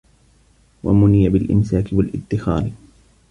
وَمُنِيَ بِالْإِمْسَاكِ وَالِادِّخَارِ